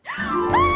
ああ！